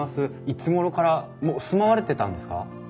いつごろからもう住まわれてたんですか？